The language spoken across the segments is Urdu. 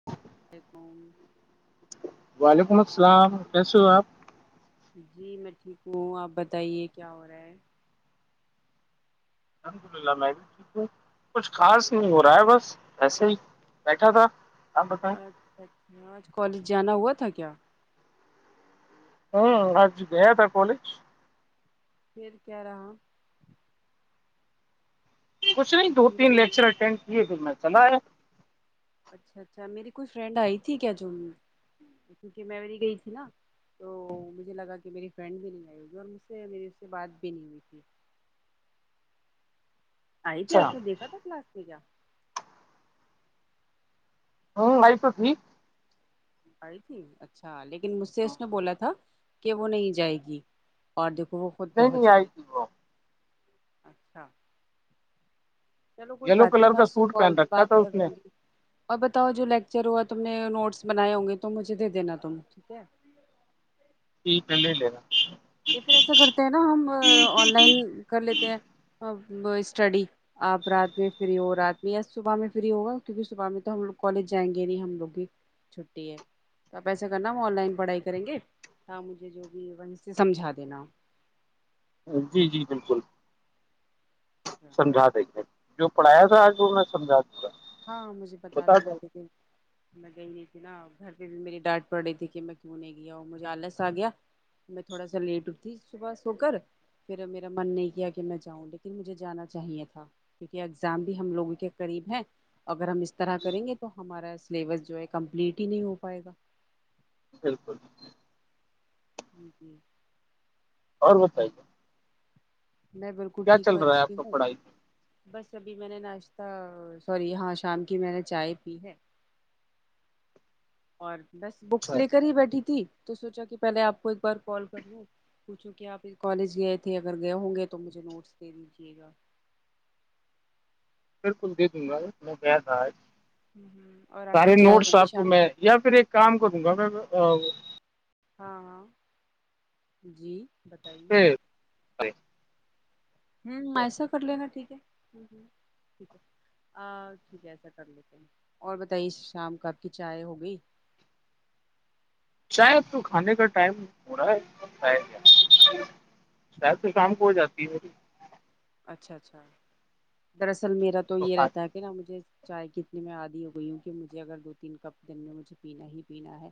[inaudible] ایکیک [unintelligible] وعلیکم السلام کیسے ہو آپ جی میں ٹھیک ہوں آپ بتائیے کیا ہو رہا ہے الحمد للہ میں بھی ٹھیک ہوں کچھ خاص نہیں ہو رہا ہے بس ایسے ہی بیٹھا تھا [unintelligible] بتائیں اچھا اچھا آج کالج جانا ہوا تھا کیا ہوں آج گیا تھا کالج پھر کیا رہا [inaudible] کچھ نہیں دو تین میرے لیکچر اٹینڈ کیے پھر میں چلا ہے اچھا اچھا میری کوئی فرینڈ آئی تھی کیا چ کیونکہ میںیری گئی تھی نا [unintelligible] تو مجھے لگا کہ میری فرینڈ بھی نہیں آئی ہوگی اور مجھ سے میری اس سے بات بھی نہیں ہوئی تھی آئی تے اچھا آپ نے دیکھا تھا کلاس کے کیا ہوں لائف تو ٹھیک آئی تھی اچھا لیکن مجھ سے اس نے بولا تھا کہ وہ نہیں جائے گی اور دیکھو وہ خود نہیں نہیں پہنچ آئی گئی تھی وہ اچھا چلو کوئی یلو بات نہیں کلر میں کا آپ سے سوٹ کال پہن پہ رکھا بات تھا کر اس نے لوں گی اور بتاؤ جو لیکچر ہوا تم نے نوٹس بنائے ہوں گے تو مجھے دے دینا تم ٹھیک ہے یہ پل لےینا [unintelligible] یہ پھر ایسا کرتے ہیں نا ہم آن لائن کر لیتے ہیں اسٹڈی آپ رات میں فری ہو رات میں یا صبح میں فری ہوگا کیونکہ صبح میں تو ہم لوگ کالج جائیں گے نہیں ہم لوگ بھی چھٹی ہے تو آپ ایسا کرنا ہم آن لائن پڑھائی کریں گے مجھے جو بھی وہ سمجھا دینا جی جی بالکل سمجھا دیں گے جو پڑھایا تھا آج ان نے سمجھاج پورا ہاں مجھے بتا دینا ک دن میں گئی نہیں تھی نا گھر پہ بھی میری ڈانٹ پڑ رہی تھی کہ میں کیوں نہیں گیا اور مجھے آلس آ گیا میں تھوڑا سا لیٹ اٹتیھی صبح سو کر پھر میرا من نہیں کیا کہ میں جاؤں لیکن مجھے جانا چاہیے تھا کیونکہ اگزام بھی ہم لوگوں کے قریب ہیں اگر ہم اس طرح کریں گے تو ہمارا سلیبس جو ہے کمپلیٹ ہی نہیں ہو پائے گا بالکل جی جی [inaudible] اور بتائیے نہیں بالکل کیا ٹھیک چل ہوں رہا ہے آپ اچھی کا ہوں پڑھائی بس ابھی میں نے ناشتہ سوری ہاں شام کی میں نے چائے پی ہے اور بس بکس اچھا لے کر ہی بیٹھی تھی تو سوچا کہ پہلے آپ کو ایک بار کال کر لوں پوچھو کہ آپ کالج گئے تھے اگر گئے ہوں گے تو مجھے نوٹس دے دیجیے گا بالکل دے دوں گا میں گیا تھا آج اور آپ کی سارے چائے نوٹس ہوگی آپ کو شام کی میں یا پھر ایک کام کروں گا میں ہاں ہاں جی بتائیے میں ہوں ایسا کر لے گا ٹھیک ہے ٹھیک ہے آ ٹھیک ہے ایسا کر لیتے ہیں اور بتائیے شام کا آپ کی چائے ہو گئی شاید تو کھانے کا ٹائم پورا ہے شید شاید تو شام کو ہو جاتی ہے میری اچھا اچھا دراصل میرا تو یہ رہتا ہے کہ نا مجھے چائے کتنے میں آدھی ہو گئی ہوں کہ مجھے اگر دو تین کپ دن میں مجھے پینا ہی پینا ہے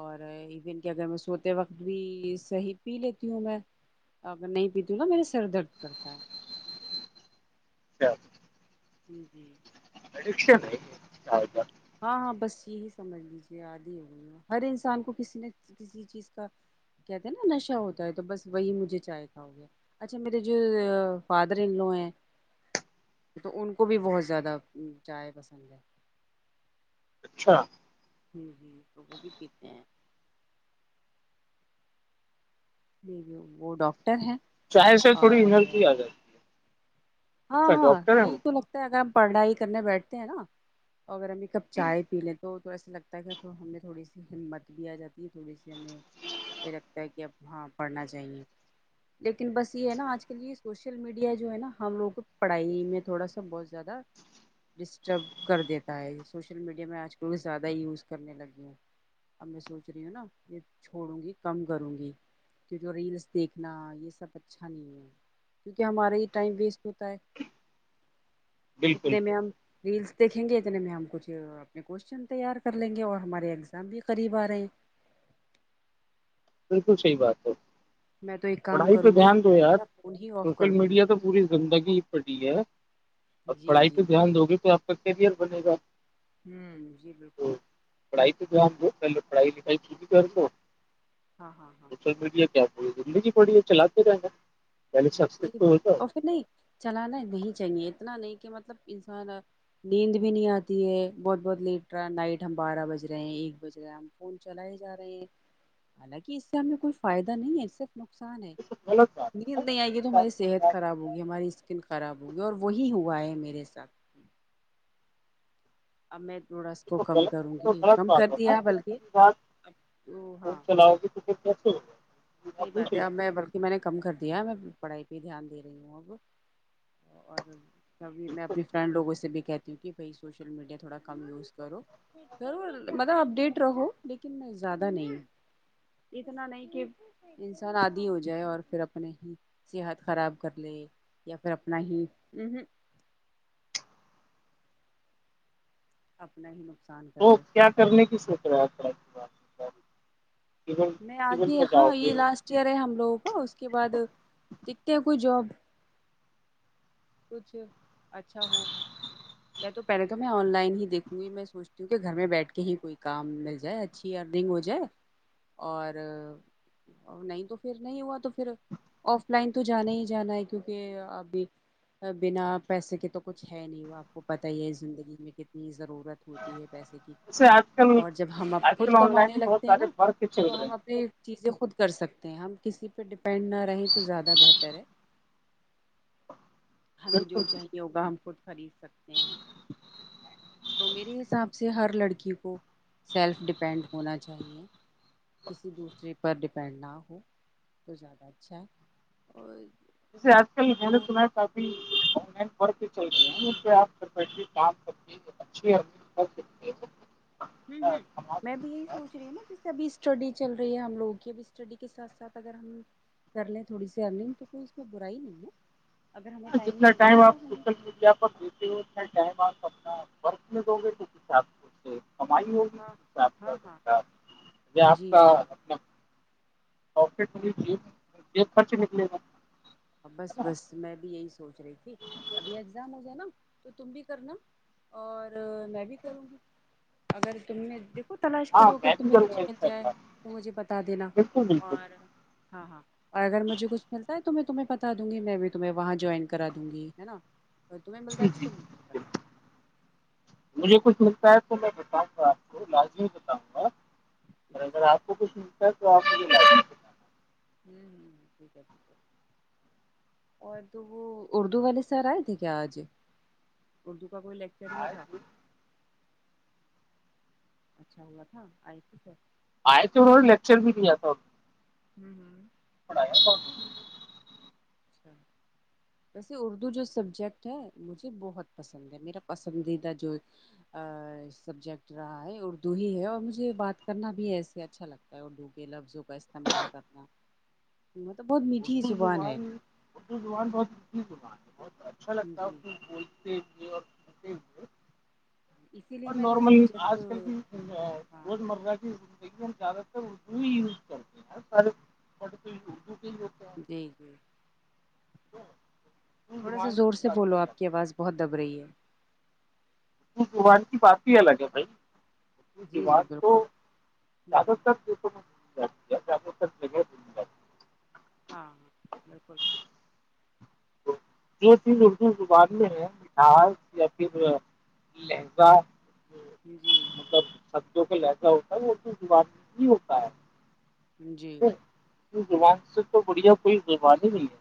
اور ایون کہ اگر میں سوتے وقت بھی صحیح پی لیتی ہوں میں ا میں نہیں پیتیوں گا میرے سر درد کرتا ہے [unintelligible] اچھا [unintelligible] جی پشے نہیںا [unintelligible] ہاں ہاں بس یہی سمجھ لیجیے آاد ہی ہو گئیی ہر انسان کو کسی نہ [unintelligible] چیز کا کہتے ہیں نا نشہ ہوتا ہے تو بس وہی مجھے چاہتا ہوگا اچھا میرے جو فادر ان لو ہیں تو ان کو بھی بہت زیادہ چائے پسند ہے اچھا ہوں ج تو وہ بھی پیتے ہیں [unintelligible] جی وہ ڈاکٹر ہیں چائےے سے تھوڑی اور انرجی آ جائے [unintelligible] ہاں ہاں ہیں وہ یہی تو لگتا ہے اگر ہم پڑھائی کرنے بیٹھتے ہیں نا اور اگر ہمیں کب چائے پی لیں تو تھوڑا سا لگتا تو ہمیں تھوڑی سی ہمت بھی آ جاتی ہے تھوڑی سی ہمیں یہ لگتا ہے کہ اب ہاں پڑھنا چاہیے لیکن بس یہ ہے نا آج کل یہ سوشل میڈیا جو ہے نا ہم لوگ پڑھائی میں تھوڑا سا بہت زیادہ ڈسٹرب کر دیتا ہے سوشل میڈیا میں آج کل زیادہ ہی یوز کرنے لگی ہوں اب میں سوچ رہی ہوں نا یہ چھوڑوں گی کم کروں گی [inaudible] کہ جو ریلس دیکھنا یہ سب اچھا نہیں ہے کیونکہ ہمارے یہ ٹائم ویسٹ ہو بالکل اتنے میں ہم ریلس دیکھیں گے اتنے میں ہم کچھ اپنے کویشچن تیار کر لیں گے اور ہمارے ایگزام بھی قریب آ رہے ہیں بالکل صحیح بات تو میں تو ایک کام پڑھائی پہ کروں گی دھیان کہ جو میں یار اپنا فون ہی آف سوشل کر دوں میڈیا گی تو پوری زندگی ہی پڑی ہے اور جی پڑھائی پہ جی دھیان دو گے تو آپ کا کیریئر بنے گا ہوں جی تو بالکل پڑھائی تو کیا ہم ہو پلے پڑھائی لکھائی کی بھی کر ل ہو [unintelligible] ہاں ہاں [unintelligible] م کیا ب زندگی پڑی ہے چلاتے رہیں گا یعنی سب صحیح تو بات ہوتا ہے اور [unintelligible] نہیں چلانا نہیں چاہیے اتنا نہیں کہ مطلب انسان نیند بھی نہیں آتی ہے بہت بہت لیٹ رہا نائٹ ہم بارہ بج رہے ہیں ایک بج رہا ف چلائے جا رہے ہیں حالانکہ اس سے ہمیں کوئی فائدہ نہیں ہے صرف [unintelligible] نقصان ہے یہ تو غلط بات ہے نا نیند نہیں آئی گ [unintelligible] تو ہماری صحت یہ خراب ہوگی ہماری اسکن خراب ہوگی اور وہی ہوا ہے میرے ساتھ اب میں تھوڑا اس کو تو کم غلط کروں یہ تو گی غلط کم کر بات ہے نا دیا پوری بلکہ پوری او ہاں ھ [unintelligible] صحی بات ہے میں [unintelligible] کہ میں نے کم کر دیا ہے میں پڑھائی پہ دھیان دے رہی ہوں اب اور تبھی گے میں اپنی فرینڈ لوگوں سے بھی کہتی ہوں کہ بھائی سوشل میڈیا تھوڑا کم یوز کرو ملب اپ ڈیٹ رہو لیکن میں زیادہ نہیں ہ اتنا نہیں کہ انسان آادی ہو جائے اور پھر اپنے ہی صحت خراب کر لے یا پھر اپنا ہی ہمم‌ہمم اپنا ہی نقصان کر تو لے کیا کرنے کی شکریات کر بات میں آگے ہاں جاؤ گے یہ لاسٹ ایئر ہے ہم لوگوں کا اس کے بعد دکھتے ہیں کوئی جاب کچھ اچھا ہو [inaudible] تو پہلے تو میں آن لائن ہی دیکھوں گی میں سوچتی ہوں کہ گھر میں بیٹھ کے ہی کوئی کام مل جائے اچھی ارننگ ہو جائے اور نہیں تو پھر نہیں ہوا تو پھر آف لائن تو جانا ہی جانا ہے کیونکہ ابھی بنا پیسے کے تو کچھ ہے نہیں آپ کو پتہ ہی ہے زندگی میں کتنی ضرورت ہوتی ہے پیسے کی جیسے آج کل اور جب ہمب آج خود کل آن کمانے لائن بھی بہت لگتے ہیں سارے نا ورک چل تو رہے ہم ہیں اپنے چیزیں خود کر سکتے ہیں ہم کسی پہ ڈپینڈ نہ رہیں تو زیادہ بہتر ہے ہمیں جو بالکل چاہیے ہوگا ہم خود خرید سکتے ہیں تو میرے حساب سے ہر لڑکی کو سیلف ڈیپینڈ ہونا چاہیے کسی دوسرے پر ڈیپینڈ نہ ہو تو زیادہ اچھا ہے اور جیے آج کل میں نے سنا آن لائ ورک چل رہی ہیں ان پہ آپ کرھر بیٹھ کے کام کرتی ہیں اچھی ہے ہمم‌ہمم میں بھی یہی سوچ رہی ہوں نا ج ابھی اسٹڈی چل رہی ہے ہم لوگوں کی اب اسٹڈی کے ساتھ ساتھ اگر ہم کر لیں تھوڑی سی ارنگ تو کوئی اس پہ برائی نہیں ہے اگر ہمیں جتنا مل رہا ہے ٹائم آپ تو ہم سوشل میڈیا پر بھیج چھ ٹائم آپ اپنا ورک میںگ گے توس حساب سے کمائی ہوگی ہاں آپ ہاں ہاں آپ جی کا جی اپنا پوکٹ منی جیب جیب خرچ نکلے گا ہے بس نا بس میں بھی یہی سوچ رہی تھی ابھی ایگزام ہو جانا تو تم بھی کرنا اور میں بھی کروں گی اگر تم نے د تو تلاش ہاں کرو اگر میں بھی تمہیں کروں گا کچھ ان مل شاء جائے اللہ تو مجھے بتا دینا بالکل بالکل اور ہاں ہاں اور اگر مجھے کچھ ملتا ہے تو میں تمہیں بتا دوں گی میں بھی تمہیں وہاں جوائن کرا دوں گی ہے نا اور تمہیں ملتا ہے جی تو ت [inaudible] مجھے کچھ مگتا ہے تو میں بتاؤں گا آپ کو لازمی بتاؤں گا اور اگر اچھا آپ کو کچھ ملتا ہے تو آپ مجھے ل ہمم‌ہمم‌ ٹھیک ہے اور تو وہ اردو والے سر آئے تھے کیا آج اردو کا کوئی لیکچر ہوا آئے تھا تو اچھا وہ تھا آئی پ سر آئے تھے انوں نے لیکچر بھی دیا تھا ہمم‌ ہمم [unintelligible] اچھا [inaudible] ویسے اردو جو سبجیکٹ ہے مجھے بہت پسند ہے میرا پسندیدہ جو سبجیکٹ رہا ہے اردو ہی ہے اور مجھے بات کرنا بھی ایسے اچھا لگتا وہ ڈوبے لفظوں کا استعمال کرنا [inaudible] م تو بہت [unintelligible] اردو زبان اردو زبان بہت میٹھی زبان ہے بہت اچھا لگتا ہے اس جی ب [unintelligible] ے اور ہوئے [unintelligible] اسی لیے اور میں نے نارمل سبجیکٹ آج کل کی ہاں روز مرہ کی زیادہ تر اردو ہی یوز کرتے ہیں سارے تو اردو کے ہی ہوتے جی جی ج [unintelligible] تھوڑا سا زور سے بولو آپ کی آواز بہت دب رہی ہے اردو زبان کی بات ہی الگ ہے بھائی اردو جی جی زبان تو بالکل ہ زیادہ تر میں بولی جاتی ہے زیادہ تر جگہ بولی جاتی ہے ہاں ہاں بالکل دو تین اردو زبان میں ہے مٹس یا پھر لہنگا [unintelligible] جی سب شبدوں کو لہسا ہوتا ہے وہ تو دیوار میں ہی ہوتا ہے جی اردو زبان سے تو بڑھیا کوئی زبان ہی نہیں ہے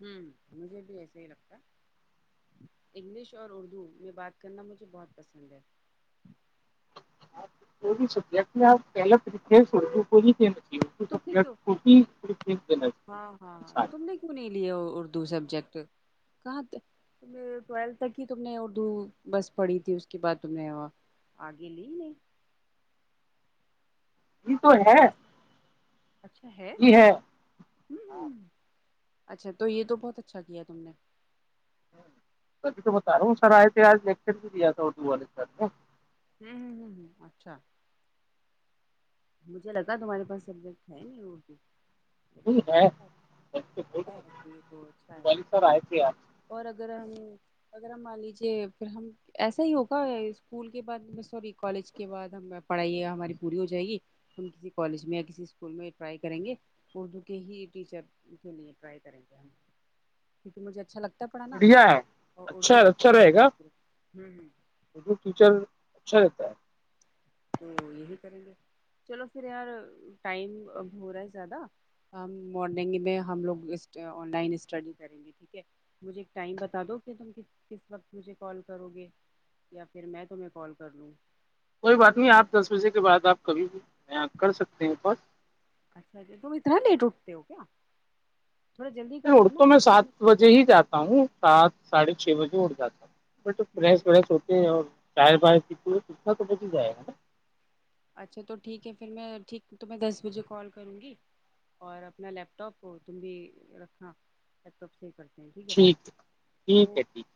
ہوں مجھے بھی ایسا ہی لگتا انگلش اور اردو میں بات کرنا مجھے بہت پسند ہے وہ بھی سبجیکٹ آپ پہل طری سو کو س [unintelligible] تم نے کیوں ٹھیک ٹھیک د [unintelligible] ہاں ہاں ہاں تم نے کیوں نہیں لیا اردو سبجیکٹ کہاں ٹول تک ہی تم نے اردو بس پڑھی تھی اس کے بعد تم نے وہ آگے لی نہیں یہ تو ہے ماس اچھا ہے ہ اچھا تو یہ تو بہت اچھا کیا تم نے الی تو بتا رہا ہوں سر آئے تھے آج نیکسٹ بھی دیا تھا اٹو والے سر نے [unintelligible] ہوں ہ ہ ہ اچھا [unintelligible] مجھے لگا تمہارے پاس سبجیکٹ ہے نہیں وہ بھی ہے بول ہے تو یہ تو اچھا ہے رہل سر آئے تھے آج [unintelligible] اور اگر ہم اگر ہم مان لیجیے پھر ہم ایسا ہی ہوگا اسکول کے بعد سوری کالج کے بعد ہم پڑھائی ہماری پوری ہو جائے گی تم کسی کالج میں یا کسی اسکول میں ٹرائی کریں گے اردو کے ہی ٹیچر کے لیے ٹرائی کریں گے ہم کیونکہ مجھے اچھا لگتا پڑھانا بڑھیا ہے اور اچھا اردو اچھا رہے گا تو ہوں ہوں ہ [unintelligible] ٹیچر اچھا رہتا ہے [unintelligible] تو یہی کریں گے چلو پھر یار ٹائم اب ہو رہا ہے زیادہ ہم مارننگ میں ہم لوگ آن لائن اسٹڈی کریں گے ٹھیک ہے مجھے ایک ٹائم بتا دو کہ تم کس وقت مجھے کال کرو گے یا پھر میں تمہیں کال کر لوں کوئی بات تم نہیں آپ دس بجے کے بعد آپ کبھی بھی یہاں کر سکتے ہیں پس اچھا اچا تم اتنا لیٹ اٹھتے ہو کیا تھوڑا جلدی کر پھر اڑ لو تو ناپ میں کہ سات مطلب [inaudible] بجے ہی جاتا ہوں سات ساڑھے چھ بجے اٹھ جاتا ہوں پھر تو فریش ہوں وریش ہو اور شہر بر کی سکھنا تو بچ ہی جائے گا نا [inaudible] اچھا تو ٹھیک ہے پھر میں ٹھیک تو میں دس بجے کال کروں گی اور اپنا لیپ ٹاپ کو تم بھی رکھنا ا توپ صحیح کرتے ہیں ٹھیک ہے او ٹھیک ہے ٹھیک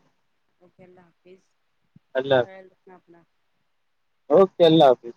اوکے اللہ حافظ اللہ حافظ [inaudible] خیال رکھنا اپنا اوکے اللہ حافظ